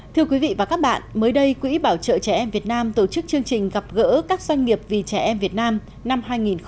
thưa quý vị và các bạn mới đây quỹ bảo trợ trẻ em việt nam tổ chức chương trình gặp gỡ các doanh nghiệp vì trẻ em việt nam năm hai nghìn một mươi chín